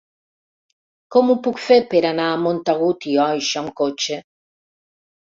Com ho puc fer per anar a Montagut i Oix amb cotxe?